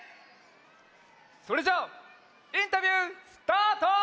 それじゃあインタビュースタート！